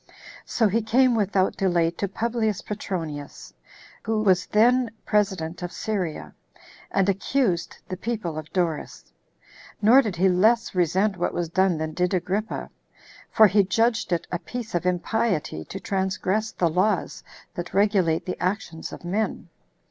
So he came without delay to Publius Petronius, who was then president of Syria, and accused the people of Doris. Nor did he less resent what was done than did Agrippa; for he judged it a piece of impiety to transgress the laws that regulate the actions of men.